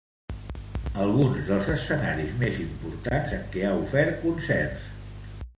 Alguns dels escenaris més importants en què ha ofert concerts.